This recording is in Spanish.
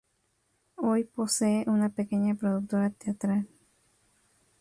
Hoy posee una pequeña productora teatral.